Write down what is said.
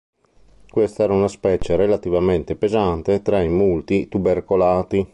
Questa era una specie relativamente pesante tra i multitubercolati.